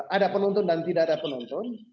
ada penonton dan tidak ada penonton